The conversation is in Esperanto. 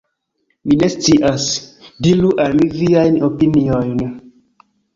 Mi ne scias. Diru al mi viajn opiniojn.